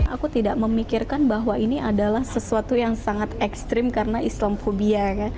aku tidak memikirkan bahwa ini adalah sesuatu yang sangat ekstrim karena islam fobia